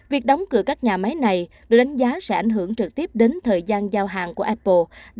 việc đóng cửa các nhà máy này được đánh giá sẽ ảnh hưởng trực tiếp đến thời gian giao hàng của apple đặc biệt là macbook